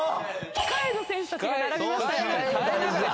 控えの選手たちが並びましたよ。